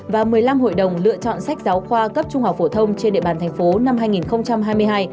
và một mươi năm hội đồng lựa chọn sách giáo khoa cấp trung học phổ thông trên địa bàn thành phố năm hai nghìn hai mươi hai